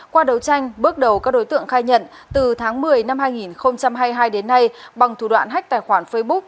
qua đấu tranh bước đầu các đối tượng khai nhận từ tháng một mươi năm hai nghìn hai mươi hai đến nay bằng thủ đoạn hách tài khoản facebook